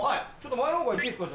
前の方からいっていいっすか？